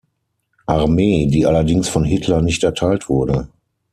Armee, die allerdings von Hitler nicht erteilt wurde.